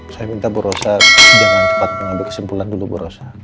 saya minta bu rosa jangan cepat mengambil kesimpulan dulu bu rosa